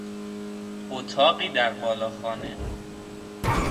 اتاقی در بالاخانه